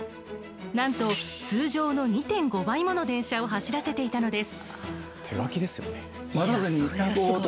なんと通常の２．５倍もの電車を走らせていたのです。